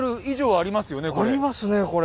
ありますねこれ。